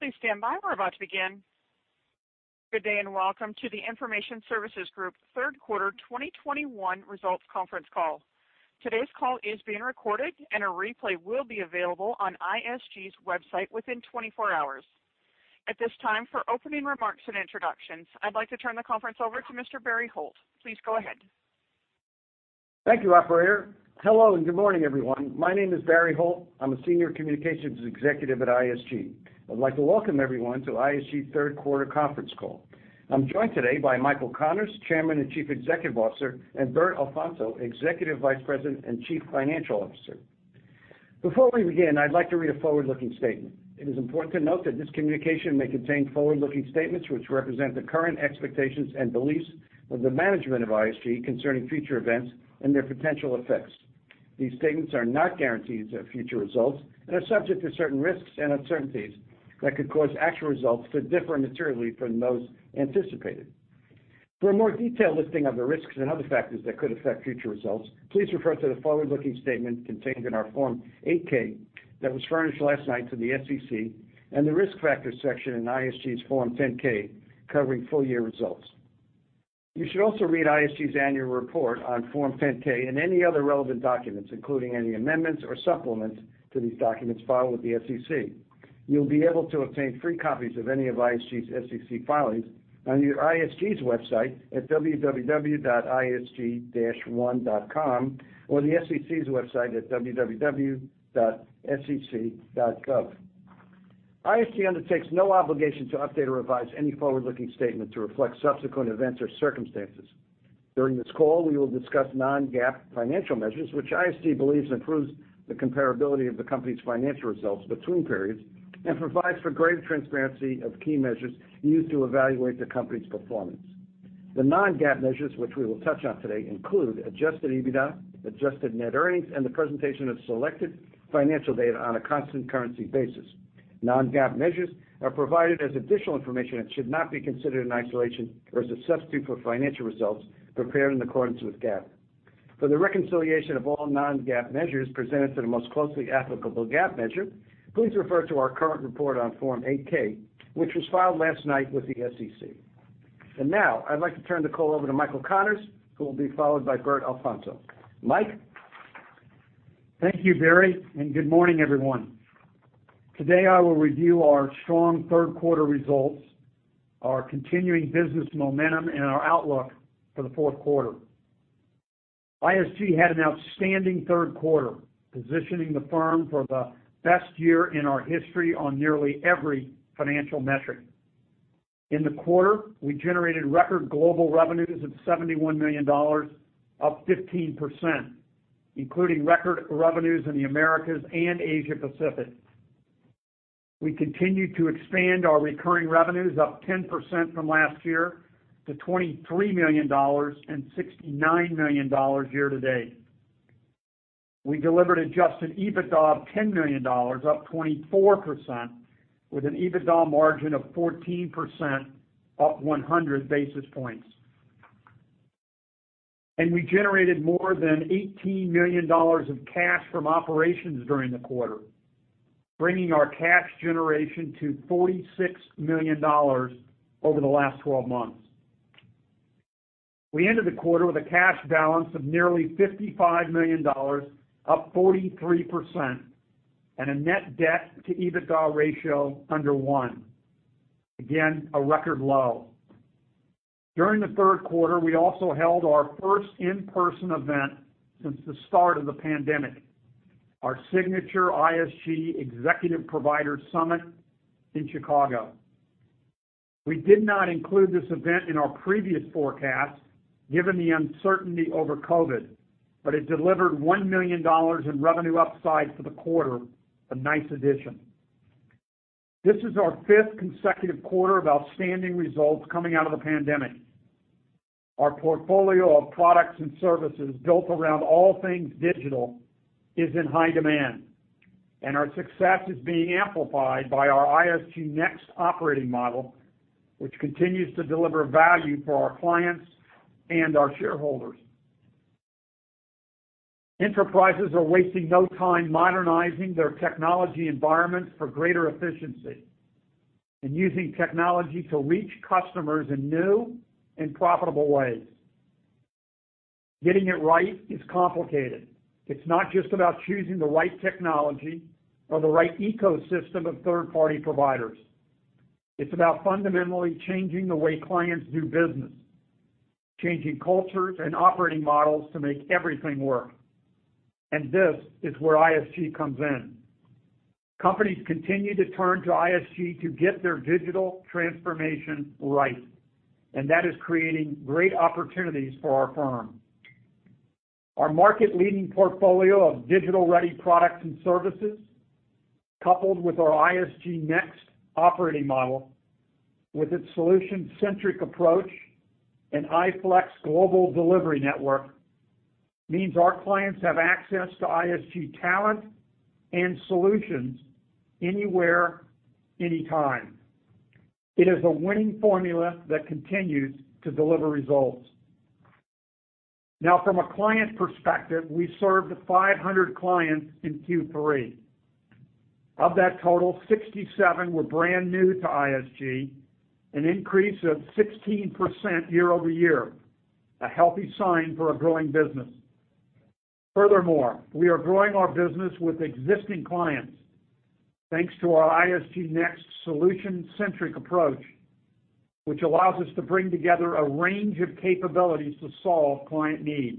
Please stand by. We're about to begin. Good day and welcome to the Information Services Group third quarter 2021 results conference call. Today's call is being recorded and a replay will be available on ISG's website within 24 hours. At this time, for opening remarks and introductions, I'd like to turn the conference over to Mr. Barry Holt. Please go ahead. Thank you, operator. Hello, and good morning, everyone. My name is Barry Holt. I'm a Senior Communications Executive at ISG. I'd like to welcome everyone to ISG third quarter conference call. I'm joined today by Michael Connors, Chairman and Chief Executive Officer, and Bert Alfonso, Executive Vice President and Chief Financial Officer. Before we begin, I'd like to read a forward-looking statement. It is important to note that this communication may contain forward-looking statements which represent the current expectations and beliefs of the management of ISG concerning future events and their potential effects. These statements are not guarantees of future results and are subject to certain risks and uncertainties that could cause actual results to differ materially from those anticipated. For a more detailed listing of the risks and other factors that could affect future results, please refer to the forward-looking statement contained in our Form 8-K that was furnished last night to the SEC and the Risk Factors section in ISG's Form 10-K covering full year results. You should also read ISG's annual report on Form 10-K and any other relevant documents, including any amendments or supplements to these documents filed with the SEC. You'll be able to obtain free copies of any of ISG's SEC filings on either ISG's website at www.isg-one.com or the SEC's website at www.sec.gov. ISG undertakes no obligation to update or revise any forward-looking statement to reflect subsequent events or circumstances. During this call, we will discuss non-GAAP financial measures, which ISG believes improves the comparability of the company's financial results between periods and provides for greater transparency of key measures used to evaluate the company's performance. The non-GAAP measures which we will touch on today include Adjusted EBITDA, adjusted net earnings, and the presentation of selected financial data on a constant currency basis. Non-GAAP measures are provided as additional information and should not be considered in isolation or as a substitute for financial results prepared in accordance with GAAP. For the reconciliation of all non-GAAP measures presented to the most closely applicable GAAP measure, please refer to our current report on Form 8-K, which was filed last night with the SEC. Now I'd like to turn the call over to Michael Connors, who will be followed by Bert Alfonso. Mike? Thank you, Barry, and good morning, everyone. Today, I will review our strong third quarter results, our continuing business momentum, and our outlook for the fourth quarter. ISG had an outstanding third quarter, positioning the firm for the best year in our history on nearly every financial metric. In the quarter, we generated record global revenues of $71 million, up 15%, including record revenues in the Americas and Asia Pacific. We continued to expand our recurring revenues up 10% from last year to $23 million and $69 million year to date. We delivered Adjusted EBITDA of $10 million, up 24%, with an EBITDA margin of 14%, up 100 basis points. We generated more than $18 million of cash from operations during the quarter, bringing our cash generation to $46 million over the last twelve months. We ended the quarter with a cash balance of nearly $55 million, up 43%, and a net debt to EBITDA ratio under one. Again, a record low. During the third quarter, we also held our first in-person event since the start of the pandemic, our signature ISG Executive Providers Summit in Chicago. We did not include this event in our previous forecast given the uncertainty over COVID, but it delivered $1 million in revenue upside for the quarter, a nice addition. This is our fifth consecutive quarter of outstanding results coming out of the pandemic. Our portfolio of products and services built around all things digital is in high demand, and our success is being amplified by our ISG NEXT operating model, which continues to deliver value for our clients and our shareholders. Enterprises are wasting no time modernizing their technology environments for greater efficiency and using technology to reach customers in new and profitable ways. Getting it right is complicated. It's not just about choosing the right technology or the right ecosystem of third-party providers. It's about fundamentally changing the way clients do business, changing cultures and operating models to make everything work. This is where ISG comes in. Companies continue to turn to ISG to get their digital transformation right, and that is creating great opportunities for our firm. Our market-leading portfolio of digital-ready products and services, coupled with our ISG NEXT operating model with its solution-centric approach and iFlex global delivery network, means our clients have access to ISG talent and solutions anywhere, anytime. It is a winning formula that continues to deliver results. Now from a client perspective, we served 500 clients in Q3. Of that total, 67 were brand new to ISG, an increase of 16% year-over-year, a healthy sign for a growing business. Furthermore, we are growing our business with existing clients thanks to our ISG NEXT solution-centric approach, which allows us to bring together a range of capabilities to solve client needs.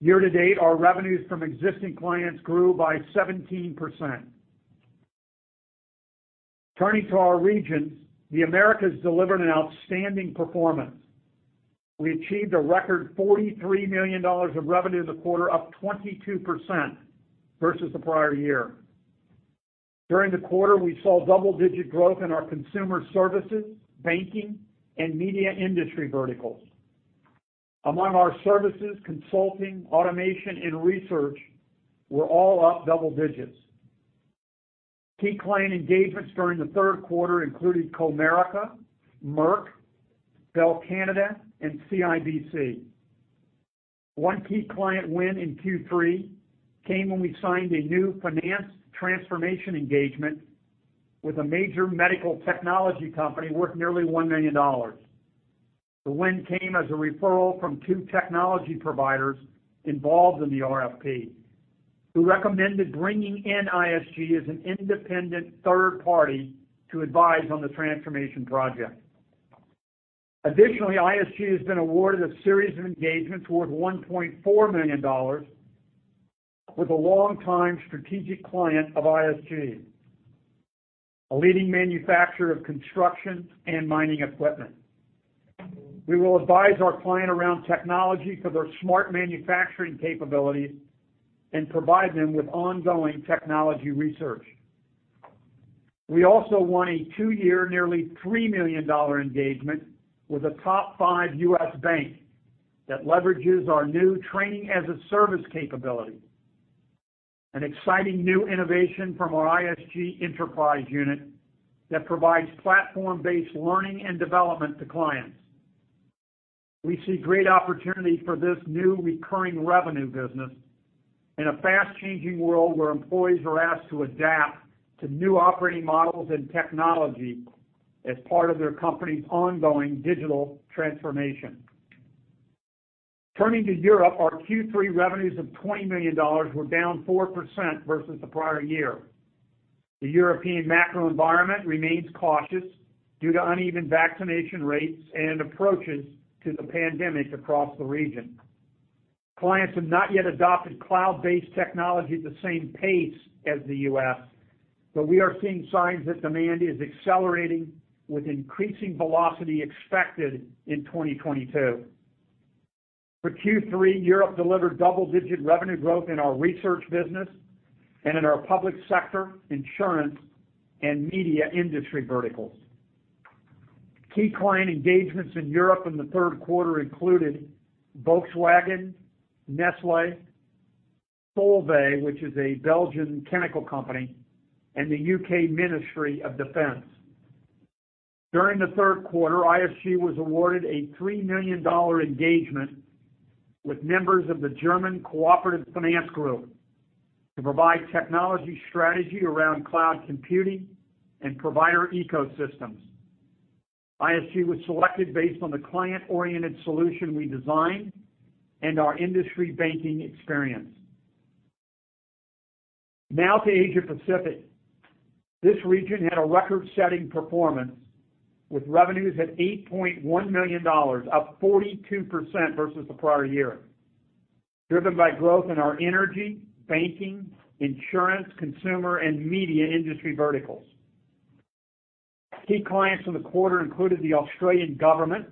Year-to-date, our revenues from existing clients grew by 17%. Turning to our regions, the Americas delivered an outstanding performance. We achieved a record $43 million of revenue in the quarter, up 22% versus the prior year. During the quarter, we saw double-digit growth in our consumer services, banking, and media industry verticals. Among our services, consulting, automation, and research were all up double digits. Key client engagements during the third quarter included Comerica, Merck, Bell Canada, and CIBC. One key client win in Q3 came when we signed a new finance transformation engagement with a major medical technology company worth nearly $1 million. The win came as a referral from two technology providers involved in the RFP who recommended bringing in ISG as an independent third party to advise on the transformation project. Additionally, ISG has been awarded a series of engagements worth $1.4 million with a longtime strategic client of ISG, a leading manufacturer of construction and mining equipment. We will advise our client around technology for their smart manufacturing capabilities and provide them with ongoing technology research. We also won a two-year, nearly $3 million dollar engagement with a top five U.S. bank that leverages our new Training as a Service capability, an exciting new innovation from our ISG Enterprise unit that provides platform-based learning and development to clients. We see great opportunity for this new recurring revenue business in a fast-changing world where employees are asked to adapt to new operating models and technology as part of their company's ongoing digital transformation. Turning to Europe, our Q3 revenues of $20 million were down 4% versus the prior year. The European macro environment remains cautious due to uneven vaccination rates and approaches to the pandemic across the region. Clients have not yet adopted cloud-based technology at the same pace as the US, but we are seeing signs that demand is accelerating with increasing velocity expected in 2022. For Q3, Europe delivered double-digit revenue growth in our research business and in our public sector, insurance, and media industry verticals. Key client engagements in Europe in the third quarter included Volkswagen, Nestlé, Solvay, which is a Belgian chemical company, and the UK Ministry of Defence. During the third quarter, ISG was awarded a $3 million engagement with members of the German Cooperative Finance Group to provide technology strategy around cloud computing and provider ecosystems. ISG was selected based on the client-oriented solution we designed and our industry banking experience. Now to Asia Pacific. This region had a record-setting performance with revenues at $8.1 million, up 42% versus the prior year, driven by growth in our energy, banking, insurance, consumer, and media industry verticals. Key clients in the quarter included the Australian government,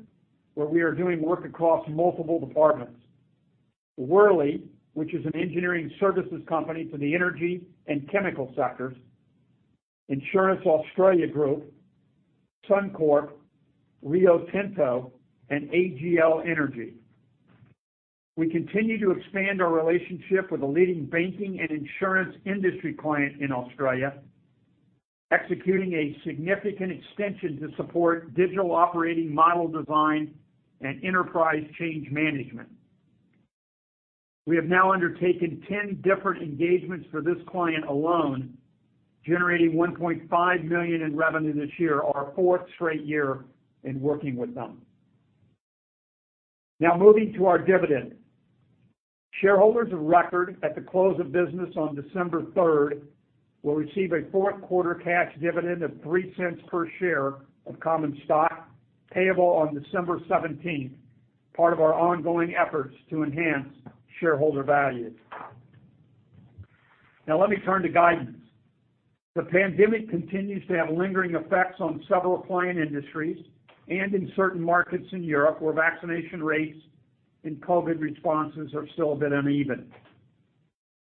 where we are doing work across multiple departments, Worley, which is an engineering services company for the energy and chemical sectors, Insurance Australia Group, Suncorp, Rio Tinto, and AGL Energy. We continue to expand our relationship with a leading banking and insurance industry client in Australia, executing a significant extension to support digital operating model design and enterprise change management. We have now undertaken 10 different engagements for this client alone, generating $1.5 million in revenue this year, our fourth straight year in working with them. Now moving to our dividend. Shareholders of record at the close of business on December third will receive a fourth-quarter cash dividend of $0.03 per share of common stock payable on December seventeenth, part of our ongoing efforts to enhance shareholder value. Now let me turn to guidance. The pandemic continues to have lingering effects on several client industries and in certain markets in Europe, where vaccination rates and COVID responses are still a bit uneven.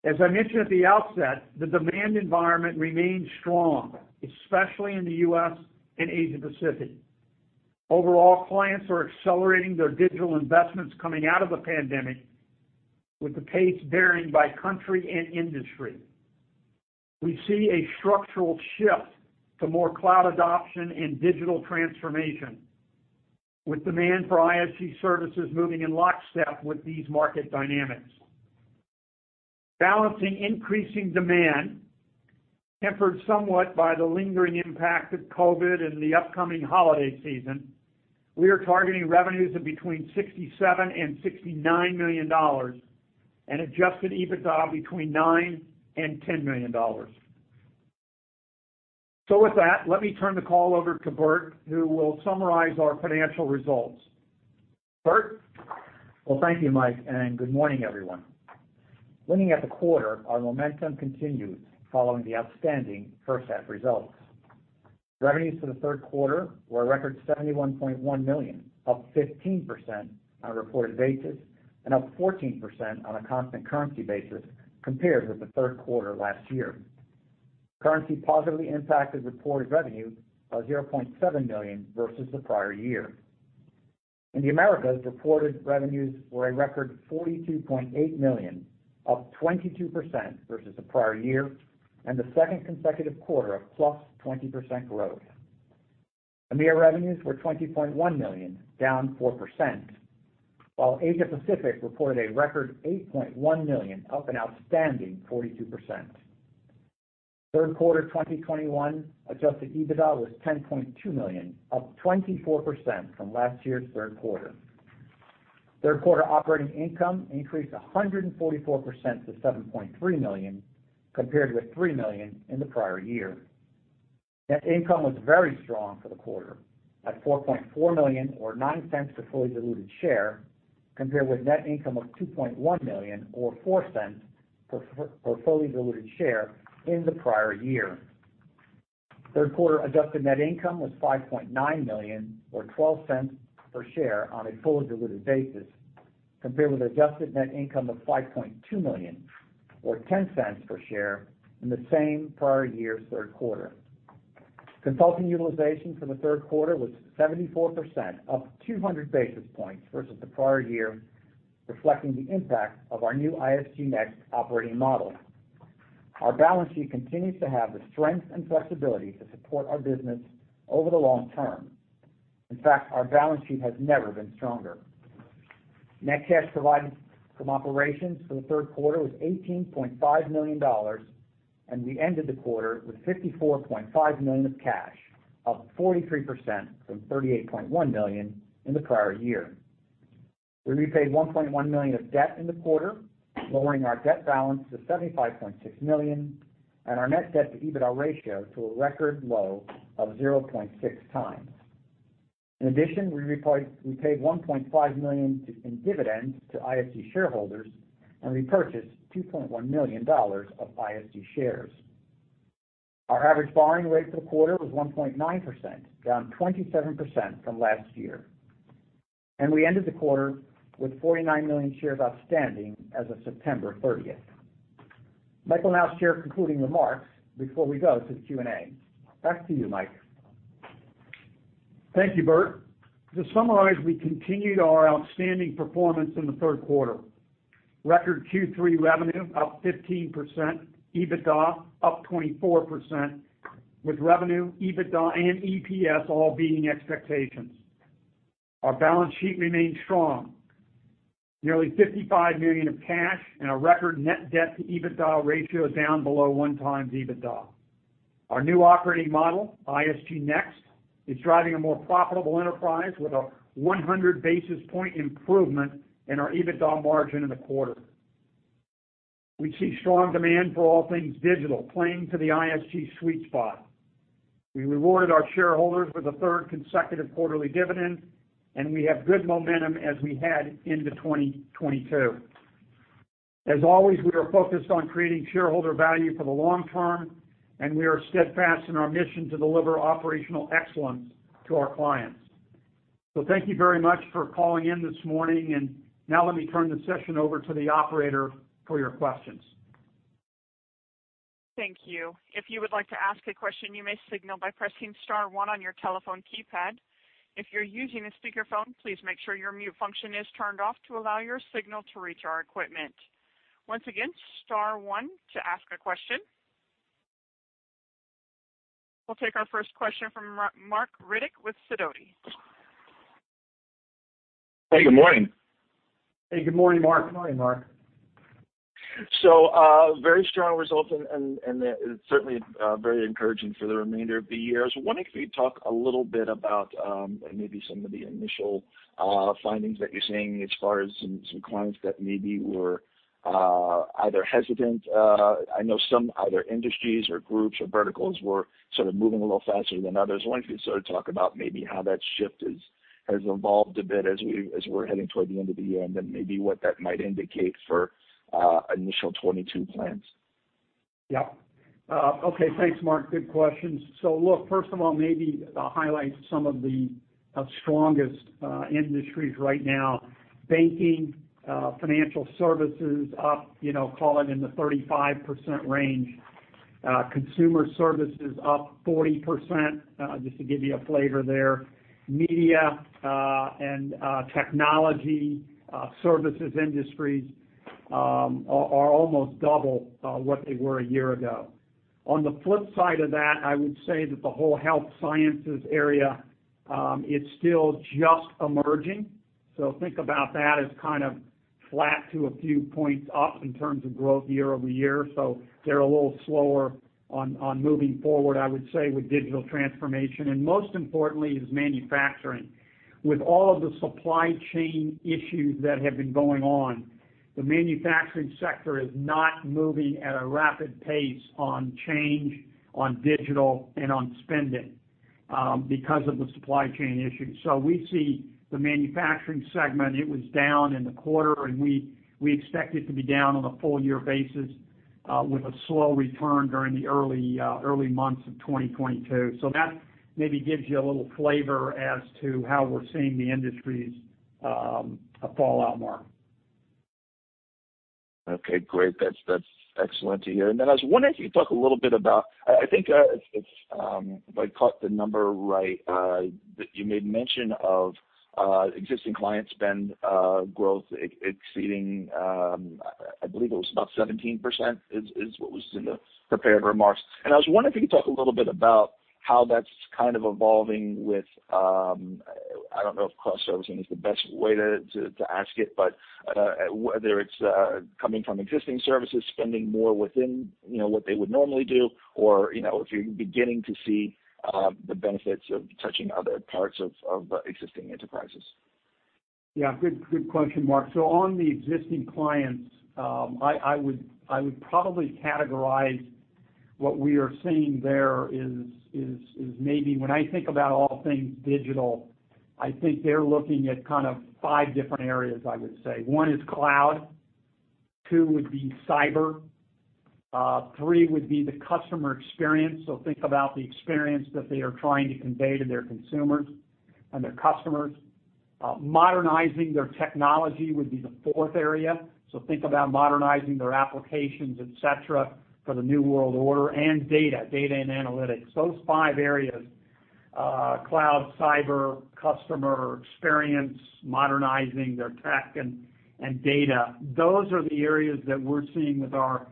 As I mentioned at the outset, the demand environment remains strong, especially in the U.S. and Asia Pacific. Overall, clients are accelerating their digital investments coming out of the pandemic, with the pace varying by country and industry. We see a structural shift to more cloud adoption and digital transformation, with demand for ISG services moving in lockstep with these market dynamics. Balancing increasing demand, tempered somewhat by the lingering impact of COVID and the upcoming holiday season, we are targeting revenues of between $67 million and $69 million and Adjusted EBITDA between $9 million and $10 million. With that, let me turn the call over to Bert, who will summarize our financial results. Bert? Well, thank you, Mike, and good morning, everyone. Looking at the quarter, our momentum continued following the outstanding first half results. Revenues for the third quarter were a record $71.1 million, up 15% on a reported basis and up 14% on a constant currency basis compared with the third quarter last year. Currency positively impacted reported revenue by $0.7 million versus the prior year. In the Americas, reported revenues were a record $42.8 million, up 22% versus the prior year and the second consecutive quarter of +20% growth. EMEA revenues were $20.1 million, down 4%, while Asia Pacific reported a record $8.1 million, up an outstanding 42%. Third quarter 2021 Adjusted EBITDA was $10.2 million, up 24% from last year's third quarter. Third quarter operating income increased 144% to $7.3 million, compared with $3 million in the prior year. Net income was very strong for the quarter at $4.4 million or $0.09 per fully diluted share compared with net income of $2.1 million or $0.04 per fully diluted share in the prior year. Third quarter adjusted net income was $5.9 million or $0.12 per share on a fully diluted basis compared with adjusted net income of $5.2 million or $0.10 per share in the same prior year's third quarter. Consulting utilization for the third quarter was 74%, up 200 basis points versus the prior year, reflecting the impact of our new ISG NEXT operating model. Our balance sheet continues to have the strength and flexibility to support our business over the long term. In fact, our balance sheet has never been stronger. Net cash provided from operations for the third quarter was $18.5 million, and we ended the quarter with $54.5 million of cash, up 43% from $38.1 million in the prior year. We repaid $1.1 million of debt in the quarter, lowering our debt balance to $75.6 million and our net debt to EBITDA ratio to a record low of 0.6 times. In addition, we paid $1.5 million in dividends to ISG shareholders and repurchased $2.1 million of ISG shares. Our average borrowing rate for the quarter was 1.9%, down 27% from last year. We ended the quarter with 49 million shares outstanding as of September thirtieth. Mike will now share concluding remarks before we go to Q&A. Back to you, Mike. Thank you, Bert. To summarize, we continued our outstanding performance in the third quarter. Record Q3 revenue up 15%, EBITDA up 24%, with revenue, EBITDA, and EPS all beating expectations. Our balance sheet remains strong. Nearly $55 million of cash and a record net debt to EBITDA ratio down below 1x EBITDA. Our new operating model, ISG NEXT, is driving a more profitable enterprise with a 100 basis points improvement in our EBITDA margin in the quarter. We see strong demand for all things digital, playing to the ISG sweet spot. We rewarded our shareholders with a third consecutive quarterly dividend, and we have good momentum as we head into 2022. As always, we are focused on creating shareholder value for the long term, and we are steadfast in our mission to deliver operational excellence to our clients. Thank you very much for calling in this morning. Now let me turn the session over to the operator for your questions. Thank you. If you would like to ask a question, you may signal by pressing star one on your telephone keypad. If you're using a speakerphone, please make sure your mute function is turned off to allow your signal to reach our equipment. Once again, star one to ask a question. We'll take our first question from Marc Riddick with Sidoti. Hey, good morning. Hey, good morning, Mark. Good morning, Marc. Very strong results and certainly very encouraging for the remainder of the year. I was wondering if you could talk a little bit about maybe some of the initial findings that you're seeing as far as some clients that maybe were either hesitant. I know some other industries or groups or verticals were sort of moving a little faster than others. I was wondering if you could sort of talk about maybe how that shift has evolved a bit as we're heading toward the end of the year, and then maybe what that might indicate for initial 2022 plans. Yeah. Okay, thanks, Mark. Good questions. Look, first of all, maybe I'll highlight some of the strongest industries right now. Banking, financial services up, you know, call it in the 35% range. Consumer services up 40%, just to give you a flavor there. Media and technology services industries are almost double what they were a year ago. On the flip side of that, I would say that the whole health sciences area is still just emerging. Think about that as kind of flat to a few points up in terms of growth year over year. They're a little slower on moving forward, I would say, with digital transformation. Most importantly is manufacturing. With all of the supply chain issues that have been going on, the manufacturing sector is not moving at a rapid pace on change, on digital, and on spending, because of the supply chain issues. We see the manufacturing segment, it was down in the quarter, and we expect it to be down on a full year basis, with a slow return during the early months of 2022. That maybe gives you a little flavor as to how we're seeing the industries, fall out, Marc. Okay, great. That's excellent to hear. I was wondering if you could talk a little bit about I think if I caught the number right that you made mention of, existing client spend growth exceeding. I believe it was about 17% is what was in the prepared remarks. I was wondering if you could talk a little bit about how that's kind of evolving with, I don't know if cross-servicing is the best way to ask it, but whether it's coming from existing services, spending more within, you know, what they would normally do, or, you know, if you're beginning to see the benefits of touching other parts of existing enterprises. Yeah. Good question, Marc Riddick. On the existing clients, I would probably categorize what we are seeing there is maybe when I think about all things digital, I think they're looking at kind of five different areas, I would say. One is cloud. Two would be cyber. Three would be the customer experience. So think about the experience that they are trying to convey to their consumers and their customers. Modernizing their technology would be the fourth area. So think about modernizing their applications, et cetera, for the new world order. Data and analytics. Those five areas, cloud, cyber, customer experience, modernizing their tech and data, those are the areas that we're seeing with our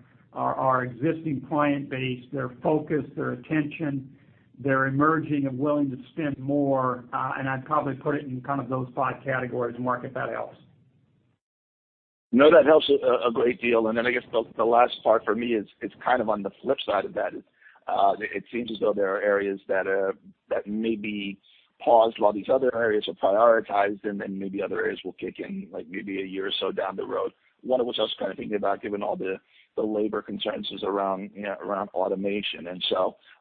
existing client base, their focus, their attention, they're emerging and willing to spend more, and I'd probably put it in kind of those five categories, Marc, if that helps. No, that helps a great deal. I guess the last part for me is kind of on the flip side of that. It seems as though there are areas that may be paused while these other areas are prioritized and then maybe other areas will kick in like maybe a year or so down the road. One of which I was kind of thinking about, given all the labor concerns, is around, you know, around automation. I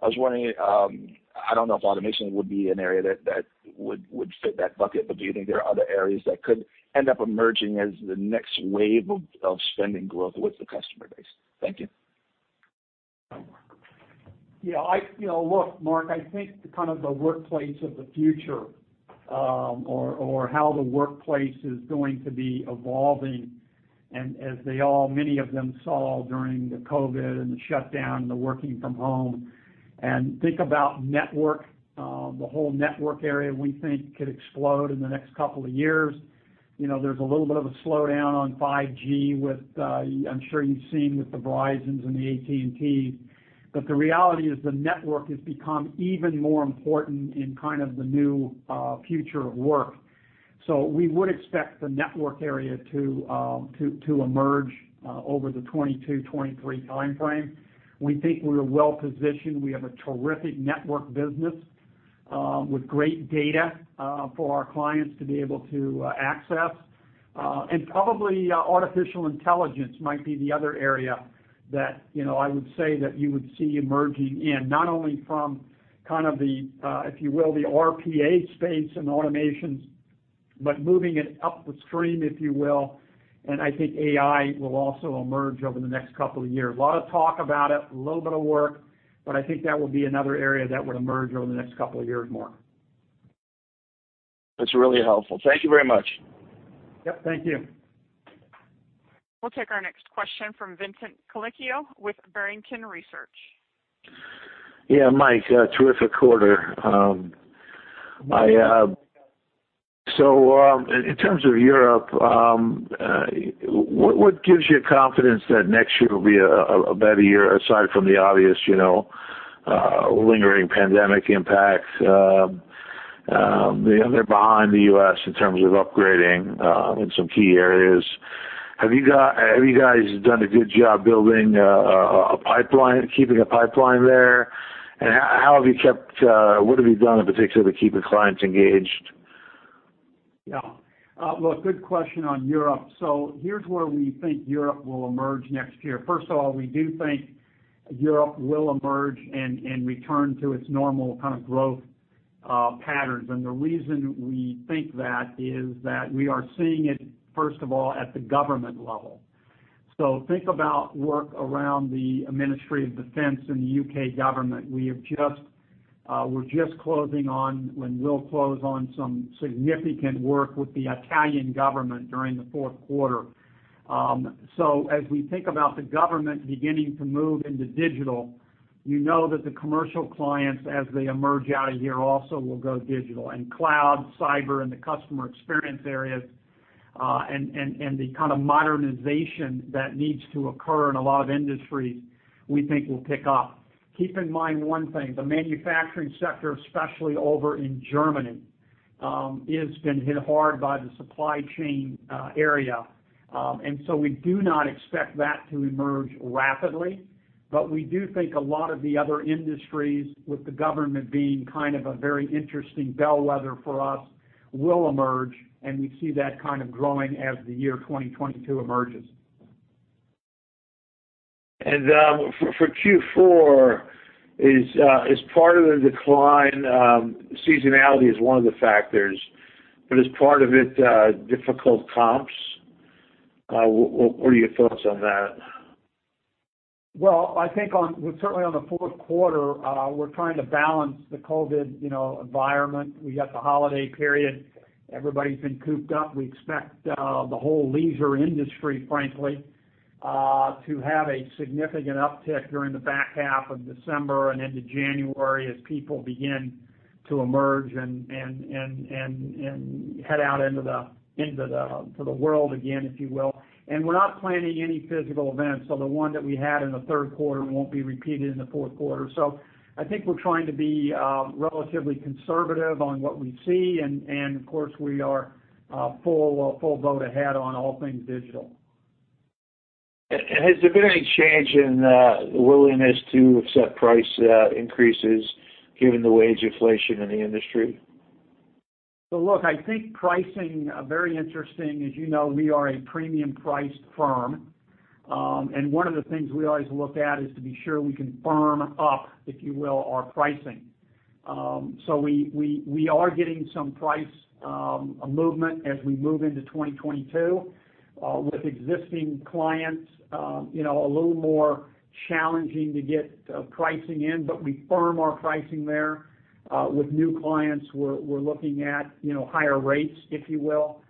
was wondering, I don't know if automation would be an area that would fit that bucket, but do you think there are other areas that could end up emerging as the next wave of spending growth with the customer base? Thank you. Yeah. You know, look, Marc, I think the kind of workplace of the future, or how the workplace is going to be evolving and as they all, many of them saw during the COVID and the shutdown, the working from home, and think about network, the whole network area we think could explode in the next couple of years. You know, there's a little bit of a slowdown on 5G with, I'm sure you've seen with the Verizons and the AT&Ts. The reality is the network has become even more important in kind of the new, future of work. We would expect the network area to emerge over the 2022, 2023 timeframe. We think we're well positioned. We have a terrific network business with great data for our clients to be able to access. Probably artificial intelligence might be the other area that, you know, I would say that you would see emerging in, not only from kind of the, if you will, the RPA space and automations, but moving it upstream, if you will, and I think AI will also emerge over the next couple of years. A lot of talk about it, a little bit of work, but I think that would be another area that would emerge over the next couple of years more. That's really helpful. Thank you very much. Yep. Thank you. We'll take our next question from Vincent Colicchio with Barrington Research. Yeah, Mike, a terrific quarter. In terms of Europe, what gives you confidence that next year will be a better year, aside from the obvious, you know, lingering pandemic impact? They're behind the U.S. in terms of upgrading in some key areas. Have you guys done a good job building a pipeline, keeping a pipeline there? How have you kept, what have you done in particular to keep your clients engaged? Yeah. Look, good question on Europe. Here's where we think Europe will emerge next year. First of all, we do think Europe will emerge and return to its normal kind of growth patterns. The reason we think that is that we are seeing it, first of all, at the government level. Think about work around the Ministry of Defence and the U.K. government. We're just closing on and will close on some significant work with the Italian government during the fourth quarter. As we think about the government beginning to move into digital, you know that the commercial clients as they emerge out of here also will go digital. Cloud, cyber, and the customer experience areas and the kind of modernization that needs to occur in a lot of industries, we think will pick up. Keep in mind one thing, the manufacturing sector, especially over in Germany, it's been hit hard by the supply chain area. We do not expect that to emerge rapidly. We do think a lot of the other industries with the government being kind of a very interesting bellwether for us will emerge, and we see that kind of growing as the year 2022 emerges. For Q4, is part of the decline seasonality? Is one of the factors, but is part of it difficult comps? What are your thoughts on that? Well, I think on the fourth quarter, we're trying to balance the COVID, you know, environment. We got the holiday period. Everybody's been cooped up. We expect the whole leisure industry, frankly, to have a significant uptick during the back half of December and into January as people begin to emerge and head out into the world again, if you will. We're not planning any physical events. The one that we had in the third quarter won't be repeated in the fourth quarter. I think we're trying to be relatively conservative on what we see. Of course, we are full boat ahead on all things digital. Has there been any change in willingness to accept price increases given the wage inflation in the industry? Look, I think pricing very interesting. As you know, we are a premium priced firm. One of the things we always look at is to be sure we can firm up, if you will, our pricing. We are getting some price movement as we move into 2022 with existing clients, you know, a little more challenging to get pricing in, but we firm our pricing there. With new clients, we're looking at, you know, higher rates, if you will.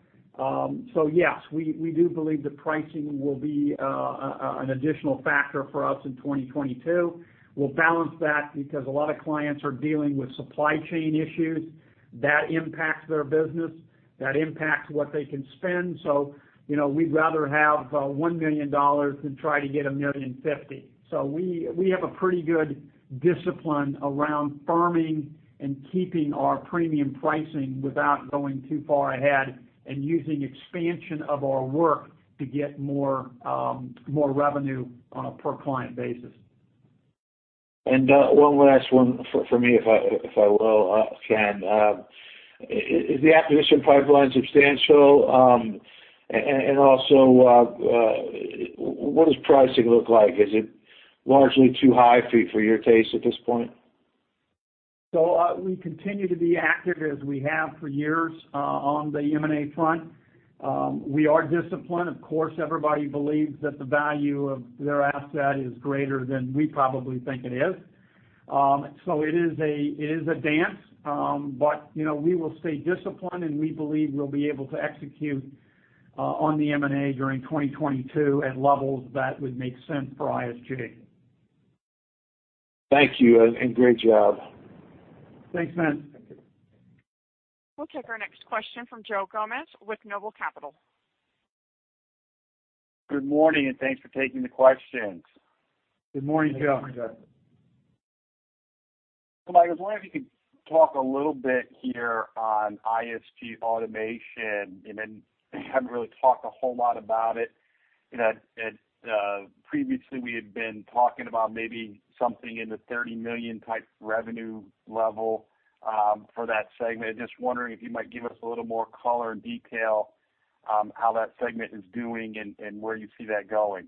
Yes, we do believe that pricing will be an additional factor for us in 2022. We'll balance that because a lot of clients are dealing with supply chain issues that impacts their business, that impacts what they can spend. You know, we'd rather have $1 million than try to get $1.05 million. We have a pretty good discipline around firming and keeping our premium pricing without going too far ahead and using expansion of our work to get more revenue on a per client basis. One last one for me, if I will, Ken. Is the acquisition pipeline substantial? Also, what does pricing look like? Is it largely too high for your taste at this point? We continue to be active as we have for years on the M&A front. We are disciplined. Of course, everybody believes that the value of their asset is greater than we probably think it is. It is a dance. You know, we will stay disciplined, and we believe we'll be able to execute on the M&A during 2022 at levels that would make sense for ISG. Thank you, and great job. Thanks, man. Thank you. We'll take our next question from Joe Gomes with Noble Capital. Good morning, and thanks for taking the questions. Good morning, Joe. Good morning, Joe. Mike, I was wondering if you could talk a little bit here on ISG Automation. You know, you haven't really talked a whole lot about it. You know, and previously we had been talking about maybe something in the $30 million type revenue level for that segment. Just wondering if you might give us a little more color and detail how that segment is doing and where you see that going.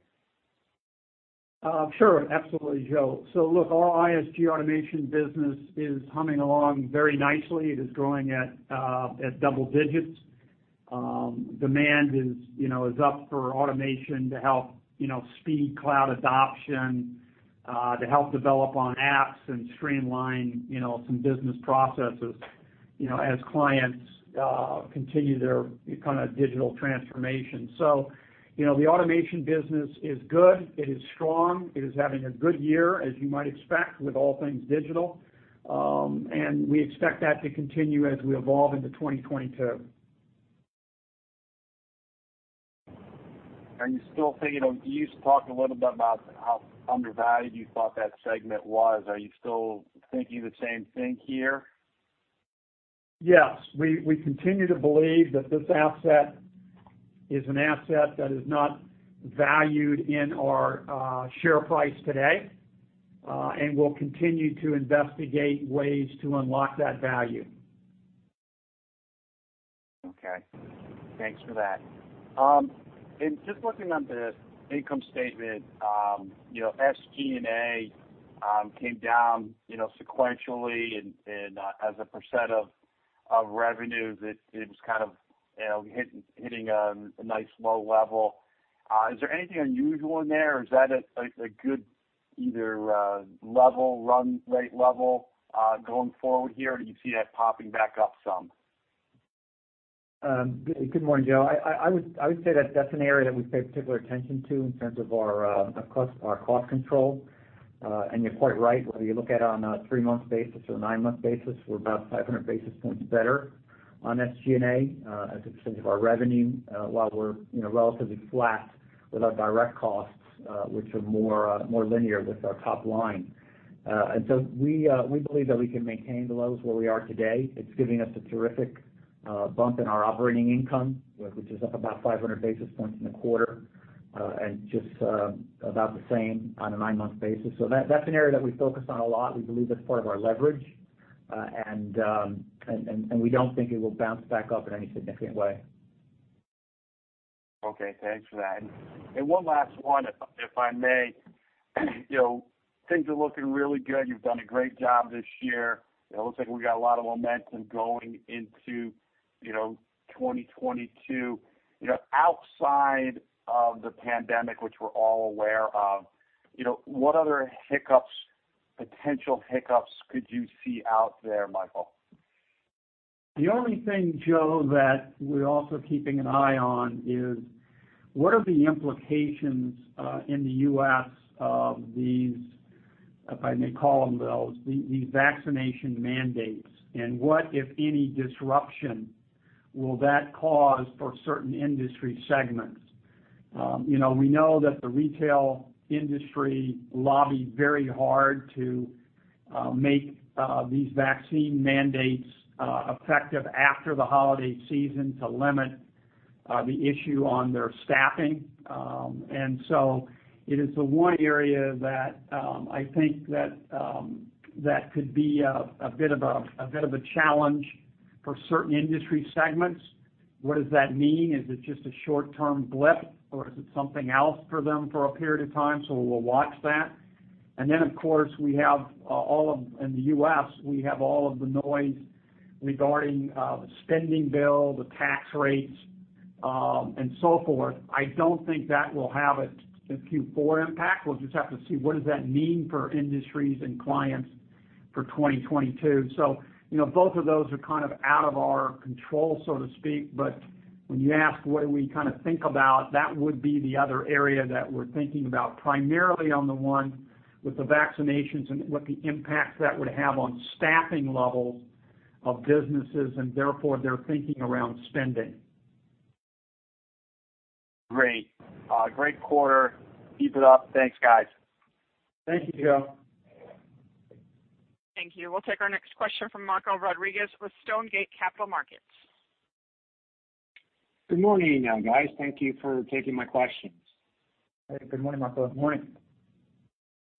Sure. Absolutely, Joe. Look, our ISG Automation business is humming along very nicely. It is growing at double digits. Demand is, you know, up for automation to help, you know, speed cloud adoption, to help develop on apps and streamline, you know, some business processes, you know, as clients continue their kind of digital transformation. You know, the automation business is good. It is strong. It is having a good year, as you might expect with all things digital. We expect that to continue as we evolve into 2022. Are you still thinking you used to talk a little bit about how undervalued you thought that segment was. Are you still thinking the same thing here? Yes. We continue to believe that this asset is an asset that is not valued in our share price today, and we'll continue to investigate ways to unlock that value. Okay. Thanks for that. Just looking at the income statement, you know, SG&A came down, you know, sequentially and as a percent of revenue that it was kind of, you know, hitting a nice low level. Is there anything unusual in there, or is that a good level run rate level going forward here? Do you see that popping back up some? Good morning, Joe. I would say that that's an area that we pay particular attention to in terms of our cost control. You're quite right, whether you look at it on a three-month basis or a nine-month basis, we're about 500 basis points better on SG&A as it stands with our revenue while we're, you know, relatively flat with our direct costs, which are more linear with our top line. We believe that we can maintain the lows where we are today. It's giving us a terrific bump in our operating income, which is up about 500 basis points in the quarter and just about the same on a nine-month basis. That's an area that we focus on a lot. We believe that's part of our leverage. We don't think it will bounce back up in any significant way. Okay. Thanks for that. One last one, if I may. You know, things are looking really good. You've done a great job this year. It looks like we got a lot of momentum going into, you know, 2022. You know, outside of the pandemic, which we're all aware of, you know, what other hiccups, potential hiccups could you see out there, Michael? The only thing, Joe, that we're also keeping an eye on is what are the implications in the U.S. of these vaccination mandates, and what, if any, disruption will that cause for certain industry segments? You know, we know that the retail industry lobbied very hard to make these vaccine mandates effective after the holiday season to limit the issue on their staffing. It is the one area that I think that could be a bit of a challenge for certain industry segments. What does that mean? Is it just a short-term blip, or is it something else for them for a period of time? We'll watch that. Of course, in the U.S., we have all of the noise regarding the spending bill, the tax rates, and so forth. I don't think that will have a Q4 impact. We'll just have to see what does that mean for industries and clients for 2022. You know, both of those are kind of out of our control, so to speak. When you ask what do we kind of think about, that would be the other area that we're thinking about, primarily on the one with the vaccinations and what the impact that would have on staffing levels of businesses and therefore their thinking around spending. Great. Great quarter. Keep it up. Thanks, guys. Thank you, Joe. Thank you. We'll take our next question from Marco Rodriguez with Stonegate Capital Markets. Good morning, guys. Thank you for taking my questions. Good morning, Marco. Morning.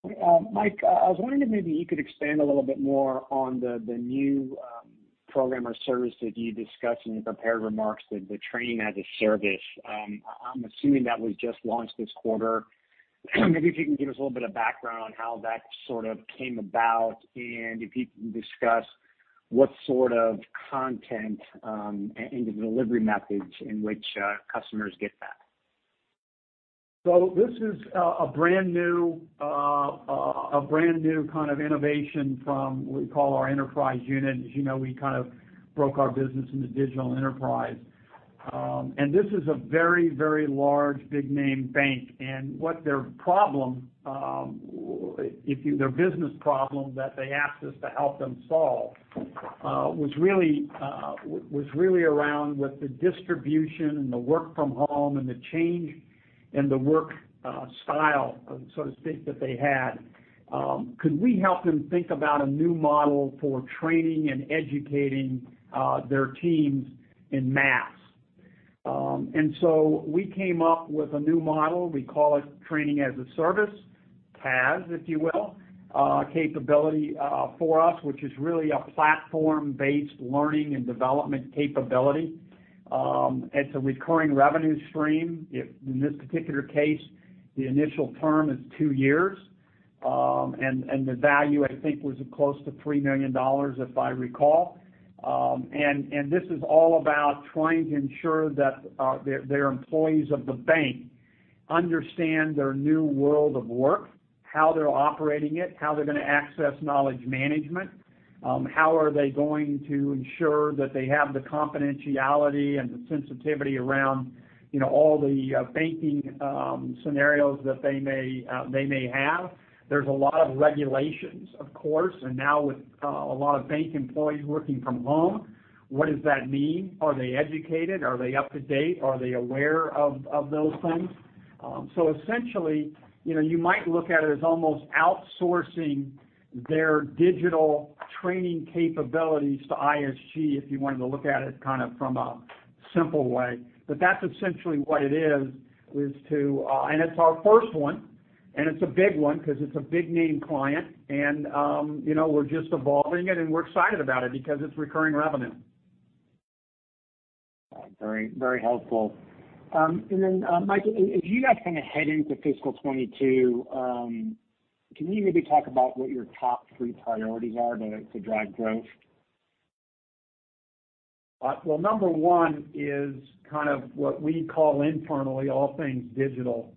Mike, I was wondering if maybe you could expand a little bit more on the new program or service that you discussed in your prepared remarks, the Training as a Service. I'm assuming that was just launched this quarter. Maybe if you can give us a little bit of background on how that sort of came about, and if you can discuss what sort of content and the delivery methods in which customers get that. This is a brand new kind of innovation from what we call our enterprise unit. As you know, we kind of broke our business into digital enterprise. This is a very large, big name bank. What their problem, their business problem that they asked us to help them solve, was really around with the distribution and the work from home and the change in the work style, so to speak, that they had. Could we help them think about a new model for training and educating their teams en masse? We came up with a new model. We call it Training as a Service, TAAS, if you will, capability for us, which is really a platform-based learning and development capability. It's a recurring revenue stream. In this particular case, the initial term is two years, and the value I think was close to $3 million, if I recall. This is all about trying to ensure that their employees of the bank understand their new world of work, how they're operating it, how they're gonna access knowledge management, how are they going to ensure that they have the confidentiality and the sensitivity around, you know, all the banking scenarios that they may have. There's a lot of regulations, of course. Now with a lot of bank employees working from home, what does that mean? Are they educated? Are they up to date? Are they aware of those things? Essentially, you know, you might look at it as almost outsourcing their digital training capabilities to ISG if you wanted to look at it kind of from a simple way. But that's essentially what it is, and it's our first one, and it's a big one because it's a big name client. You know, we're just evolving it, and we're excited about it because it's recurring revenue. All right. Very, very helpful. Mike, as you guys kind of head into fiscal 2022, can you maybe talk about what your top three priorities are to drive growth? Well, number one is kind of what we call internally all things digital.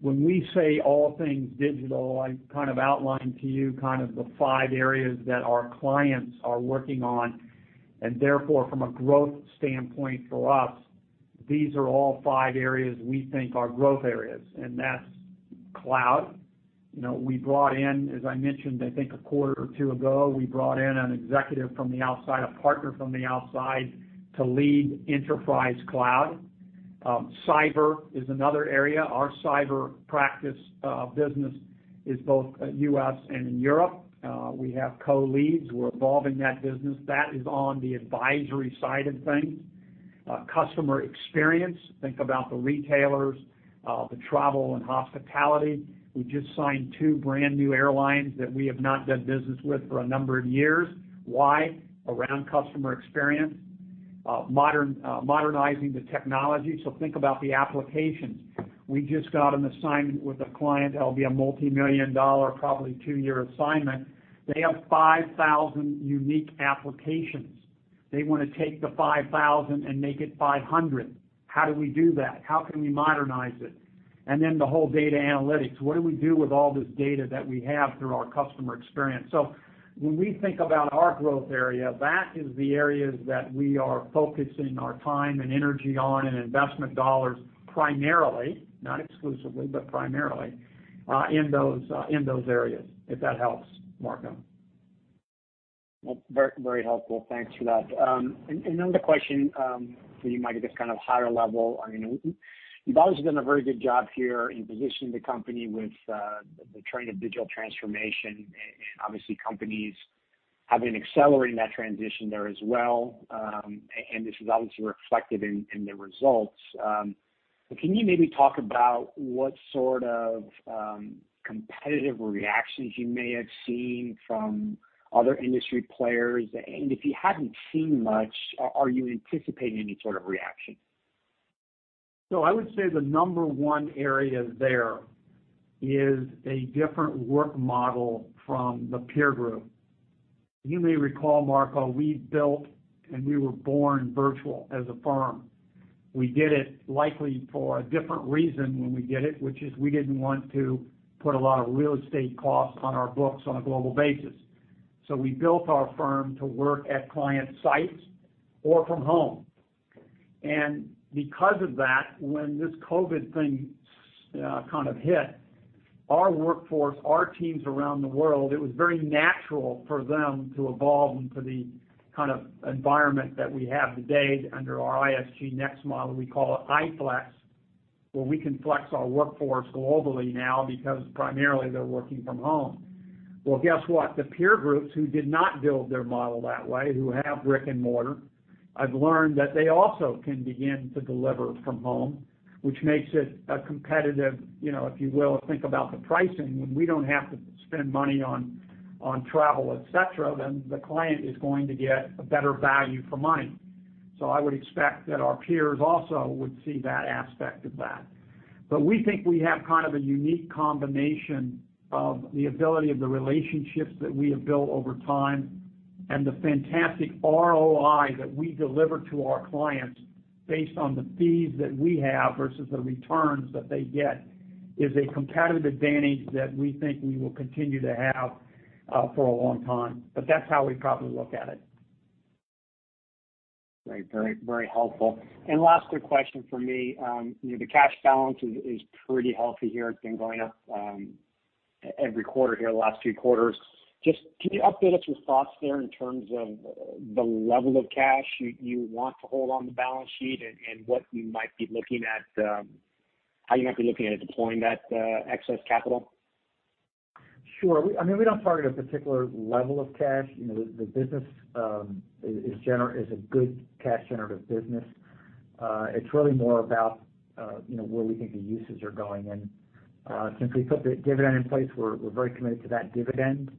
When we say all things digital, I kind of outlined to you kind of the five areas that our clients are working on. Therefore, from a growth standpoint for us, these are all five areas we think are growth areas, and that's cloud. You know, we brought in, as I mentioned, I think a quarter or two ago, we brought in an executive from the outside, a partner from the outside to lead enterprise cloud. Cyber is another area. Our cyber practice, business is both, U.S. and in Europe. We have co-leads. We're evolving that business. That is on the advisory side of things. Customer experience, think about the retailers, the travel and hospitality. We just signed two brand-new airlines that we have not done business with for a number of years. Why? Around customer experience, modernizing the technology, so think about the applications. We just got an assignment with a client that'll be a $ multi-million-dollar, probably two-year assignment. They have 5,000 unique applications. They wanna take the 5,000 and make it 500. How do we do that? How can we modernize it? The whole data analytics. What do we do with all this data that we have through our customer experience? When we think about our growth area, that is the areas that we are focusing our time and energy on, and investment dollars primarily, not exclusively, but primarily, in those areas. If that helps, Marco. Well, very helpful. Thanks for that. Another question for you, Mike, I guess kind of higher level. I mean, you've obviously done a very good job here in positioning the company with the trend of digital transformation, and obviously, companies have been accelerating that transition there as well. This is obviously reflected in the results. Can you maybe talk about what sort of competitive reactions you may have seen from other industry players? If you haven't seen much, are you anticipating any sort of reaction? I would say the number one area there is a different work model from the peer group. You may recall, Marco, we built and we were born virtual as a firm. We did it likely for a different reason when we did it, which is we didn't want to put a lot of real estate costs on our books on a global basis. We built our firm to work at client sites or from home. Because of that, when this COVID thing kind of hit, our workforce, our teams around the world, it was very natural for them to evolve into the kind of environment that we have today under our ISG NEXT model, we call it iFlex, where we can flex our workforce globally now because primarily they're working from home. Well, guess what? The peer groups who did not build their model that way, who have brick and mortar, I've learned that they also can begin to deliver from home, which makes it a competitive, you know, if you will, think about the pricing. When we don't have to spend money on travel, et cetera, then the client is going to get a better value for money. I would expect that our peers also would see that aspect of that. We think we have kind of a unique combination of the ability of the relationships that we have built over time and the fantastic ROI that we deliver to our clients based on the fees that we have versus the returns that they get is a competitive advantage that we think we will continue to have, for a long time. That's how we probably look at it. Great. Very, very helpful. Last quick question from me. You know, the cash balance is pretty healthy here. It's been going up every quarter here the last few quarters. Just can you update us your thoughts there in terms of the level of cash you want to hold on the balance sheet and what you might be looking at how you might be looking at deploying that excess capital? Sure. I mean, we don't target a particular level of cash. You know, the business is a good cash generative business. It's really more about, you know, where we think the uses are going. Since we put the dividend in place, we're very committed to that dividend.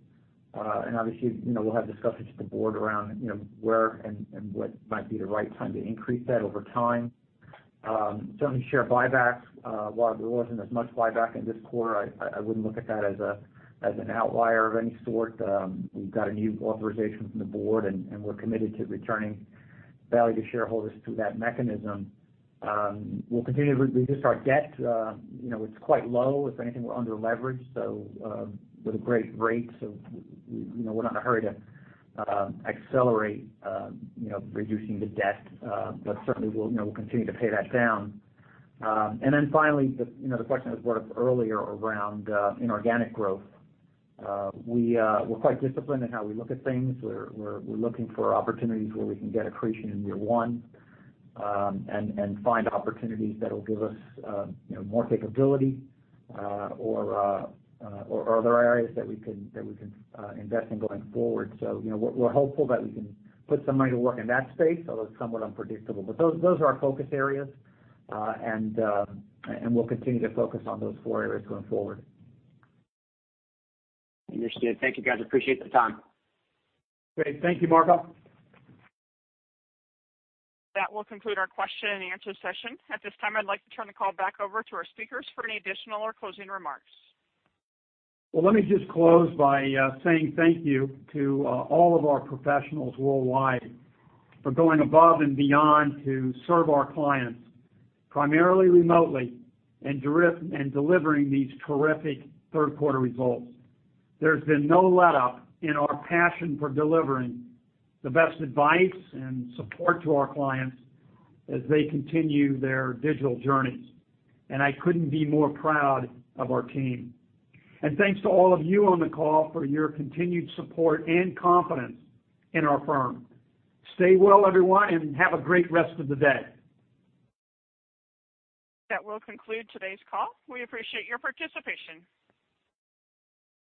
Obviously, you know, we'll have discussions with the board around, you know, where and what might be the right time to increase that over time. Certainly share buybacks, while there wasn't as much buyback in this quarter, I wouldn't look at that as an outlier of any sort. We've got a new authorization from the board, and we're committed to returning value to shareholders through that mechanism. We'll continue to reduce our debt. You know, it's quite low. If anything, we're underleveraged, so with great rates out there, you know, we're not in a hurry to accelerate, you know, reducing the debt, but certainly we'll, you know, continue to pay that down. Finally, you know, the question that was brought up earlier around inorganic growth. We're quite disciplined in how we look at things. We're looking for opportunities where we can get accretion in year one, and find opportunities that'll give us, you know, more capability, or other areas that we can invest in going forward. You know, we're hopeful that we can put some money to work in that space, although it's somewhat unpredictable. Those are our focus areas. We'll continue to focus on those four areas going forward. Understood. Thank you, guys. Appreciate the time. Great. Thank you, Marco. That will conclude our question and answer session. At this time, I'd like to turn the call back over to our speakers for any additional or closing remarks. Well, let me just close by saying thank you to all of our professionals worldwide for going above and beyond to serve our clients, primarily remotely, and delivering these terrific third quarter results. There's been no letup in our passion for delivering the best advice and support to our clients as they continue their digital journeys, and I couldn't be more proud of our team. Thanks to all of you on the call for your continued support and confidence in our firm. Stay well, everyone, and have a great rest of the day. That will conclude today's call. We appreciate your participation.